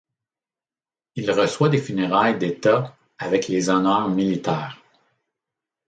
Il reçoit des funérailles d'État avec les honneurs militaires.